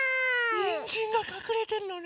にんじんがかくれてるのね。